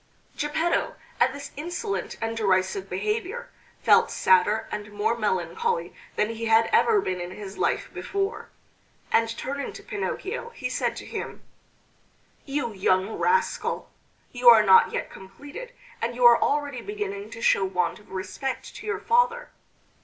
Geppetto at this insolent and derisive behavior felt sadder and more melancholy than he had ever been in his life before; and turning to Pinocchio he said to him: "You young rascal! You are not yet completed, and you are already beginning to show want of respect to your father!